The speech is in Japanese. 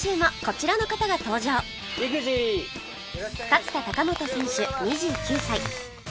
勝田貴元選手２９歳